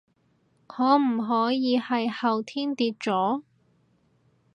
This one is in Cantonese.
可唔可以係後天跌咗？